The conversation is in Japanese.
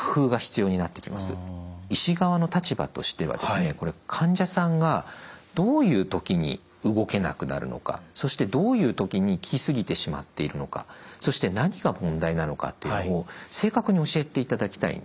医師側の立場としては患者さんがどういう時に動けなくなるのかそしてどういう時に効きすぎてしまっているのかそして何が問題なのかっていうのを正確に教えていただきたい。